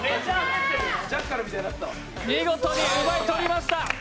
見事に奪い取りました。